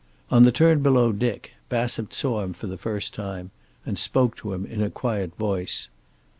On the turn below Dick, Bassett saw him for the first time, and spoke to him in a quiet voice.